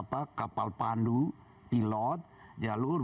langsung diberikan kapal pandu pilot jalur